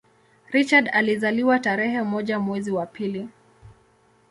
Richard alizaliwa tarehe moja mwezi wa pili